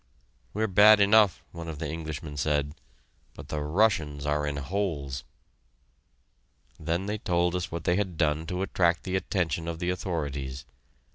"We're bad enough," one of the Englishmen said, "but the Russians are in holes." Then they told us what they had done to attract the attention of the authorities.